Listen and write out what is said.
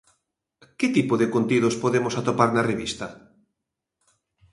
Que tipo de contidos podemos atopar na revista?